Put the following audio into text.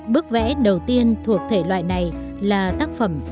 bức vẽ đầu tiên thuộc thể loại này là tác phẩm